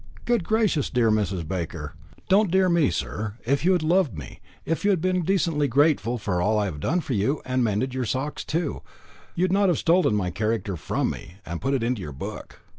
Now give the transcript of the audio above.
"Good gracious, dear Mrs. Baker!" "Don't dear me, sir. If you had loved me, if you had been decently grateful for all I have done for you, and mended your socks too, you'd not have stolen my character from me, and put it into your book.